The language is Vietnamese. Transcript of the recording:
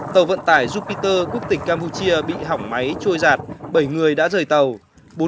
tàu vận tải jupiter quốc tịch campuchia bị hỏng máy trôi giạt bảy người đã rời tàu